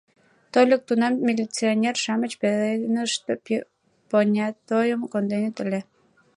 Тольык тунам милиционер-шамыч пеленышт понятойым конденыт ыле.